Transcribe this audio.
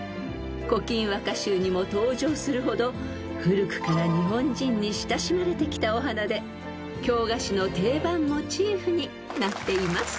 ［『古今和歌集』にも登場するほど古くから日本人に親しまれてきたお花で京菓子の定番モチーフになっています］